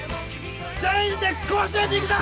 全員で甲子園に行くぞ！